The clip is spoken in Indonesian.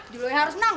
juleha harus menang